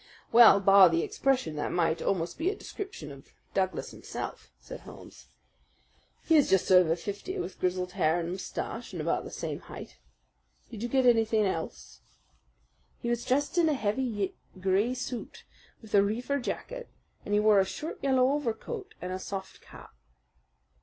"Well, bar the expression, that might almost be a description of Douglas himself," said Holmes. "He is just over fifty, with grizzled hair and moustache, and about the same height. Did you get anything else?" "He was dressed in a heavy gray suit with a reefer jacket, and he wore a short yellow overcoat and a soft cap."